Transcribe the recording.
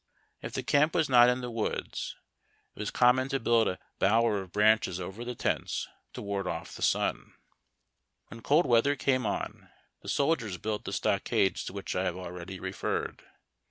If the camp was not in the woods, it was com S^i£s^*^^"vi.ji^r mon to build a bow er of branches over the tents, to ward off the sun. When cold weath er came on, the sol diers built the stock ades to which I have already referred.